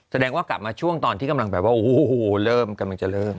แสดงว่ากลับมาช่วงตอนที่กำลังแบบว่าโอ้โหเริ่มกำลังจะเริ่ม